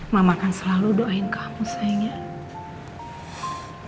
mama kan selalu doain kamu sayangnya